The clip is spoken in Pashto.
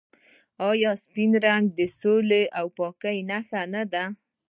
آیا سپین رنګ د سولې او پاکۍ نښه نه ده؟